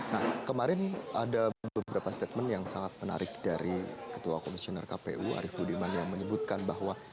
nah kemarin ada beberapa statement yang sangat menarik dari ketua komisioner kpu arief budiman yang menyebutkan bahwa